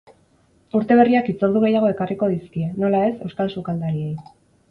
Urte berriak hitzordu gehiago ekarriko dizkie, nola ez, euskal sukaldariei.